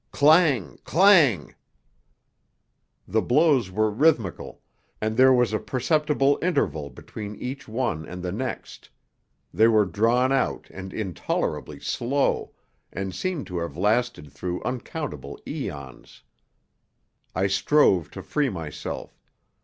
Clang! Clang! The blows were rhythmical, and there was a perceptible interval between each one and the next; they were drawn out and intolerably slow, and seemed to have lasted through uncountable eons. I strove to free myself.